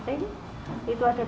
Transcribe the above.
kemudian ada juga kpac